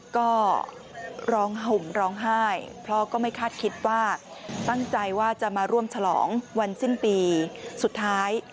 ก็ร้องห่มร้องไห้เพราะก็ไม่คาดคิดว่าตั้งใจว่าจะมาร่วมฉลองวันสิ้นปีสุดท้าย